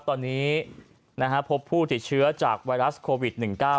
ตอนนี้นะฮะพบผู้ติดเชื้อจากไวรัสโควิดหนึ่งเก้า